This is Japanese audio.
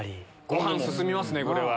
ご飯進みますねこれは。